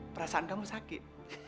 perasaan kamu sakit